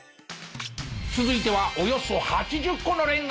続いてはおよそ８０個のレンガ！